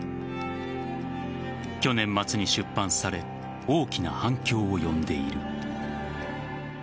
去年末に出版され大きな反響を呼んでいる。